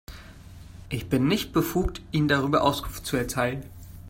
Ich bin nicht befugt, Ihnen darüber Auskunft zu erteilen.